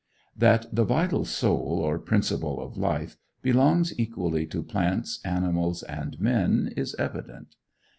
That the vital soul, or principle of life, belongs equally to plants, animals, and men, is evident.